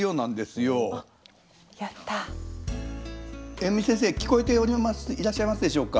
遠見先生聞こえていらっしゃいますでしょうか？